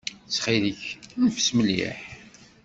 Ttxil-k, neffes mliḥ.